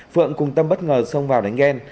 phượng cùng tâm bất ngờ xông vào đánh ghen